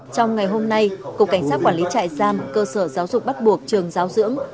trong ngày hôm nay cục cảnh sát quản lý trại giam cơ sở giáo dục bắt buộc trường giáo dưỡng